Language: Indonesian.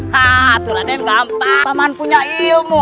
hah tuh raden gampang paman punya ilmu